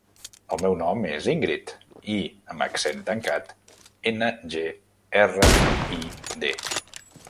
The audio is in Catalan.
El meu nom és Íngrid: i amb accent tancat, ena, ge, erra, i, de.